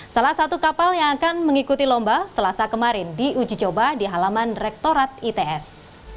salah satu kapal yang akan mengikuti lomba selasa kemarin diuji coba di halaman rektorat its